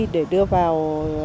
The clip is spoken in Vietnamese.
để đưa vào